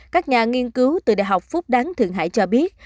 các nhà nghiên cứu từ đại học phúc đáng thượng hải cho biết